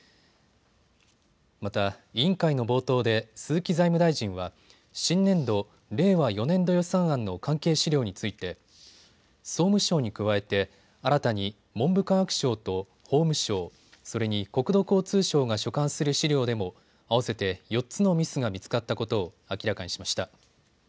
また、委員会の冒頭で鈴木財務大臣は新年度、令和４年度予算案の関係資料について総務省に加えて新たに文部科学省と法務省、それに国土交通省が所管する資料でも合わせて４つのミスが見つかったことを明らかにしました。